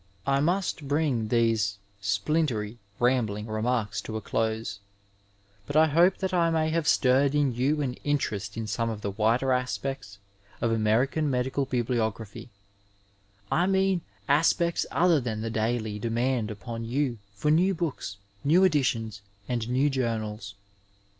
I must bring these *^ splintery," rambling remarks to a close, but I hope that I may have stirred in you an interest in some of the wider aspects of American medical bioblio graphy— I mean aspects other than the daily demand upon you for new books, new editions and new journals.